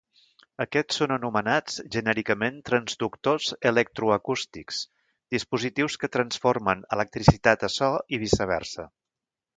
Aquests són anomenats genèricament transductors electroacústics: dispositius que transformen electricitat a so i viceversa.